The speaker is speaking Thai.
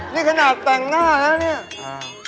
นี่ขนาดแต่งหน้าแล้วเนี่ย